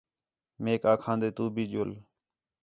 میک آکھان٘دے تُو بھی ڄُل